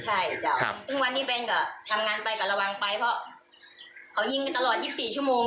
ใช่ซึ่งวันนี้แนนก็ทำงานไปก็ระวังไปเพราะเขายิงกันตลอด๒๔ชั่วโมง